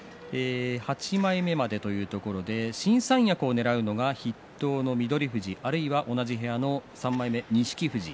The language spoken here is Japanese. ８枚目までというところで新三役をねらうのが筆頭の翠富士、あるいは同じ部屋の３枚目、錦富士。